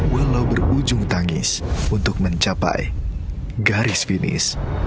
walau berujung tangis untuk mencapai garis finis